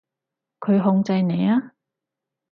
佢控制你呀？